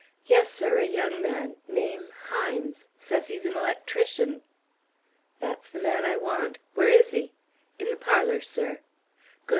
"Yes, sir; a young man; name, Hines. Says he's an electrician." "That's the man I want. Where is he?" "In the parlor, sir." "Good!